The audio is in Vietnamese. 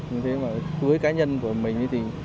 như thế mà với cá nhân của mình thì